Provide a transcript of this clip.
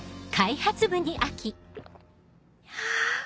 ハァ！